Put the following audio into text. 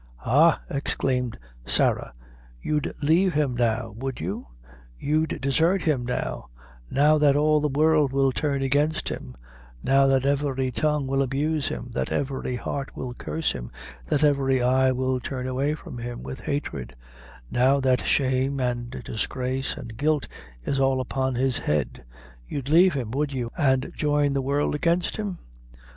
"Ha!" exclaimed Sarah, "you'd leave him now, would you? You'd desart him now; now that all the world will turn against him; now that every tongue will abuse him; that every heart will curse him; that every eye will turn away from him with hatred; now that shame, an' disgrace, an' guilt is all upon his head; you'd leave him, would you, and join the world against him?